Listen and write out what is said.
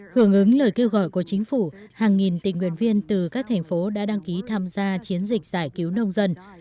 hưởng ứng lời kêu gọi của chính phủ hàng nghìn tình nguyện viên từ các thành phố đã đăng ký tham gia chiến dịch giải cứu nông dân